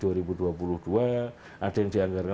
dua ribu dua puluh dua ada yang dianggarkan